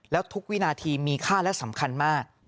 แล้วทุกวินาทีมีค่าและสำคัญมาก